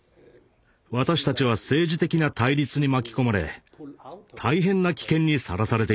「私たちは政治的な対立に巻き込まれ大変な危険にさらされています。